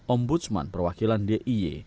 om budsman perwakilan d i y